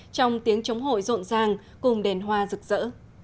trong tiếng chống hội rộn ràng cùng đèn hoa rực rỡ